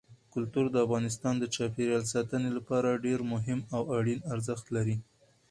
کلتور د افغانستان د چاپیریال ساتنې لپاره ډېر مهم او اړین ارزښت لري.